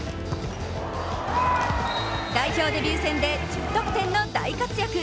代表デビュー戦で１０得点の大活躍。